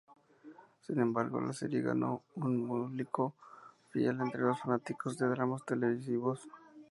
Sin embargo, la serie ganó un público fiel entre los fanáticos de dramas televisivos.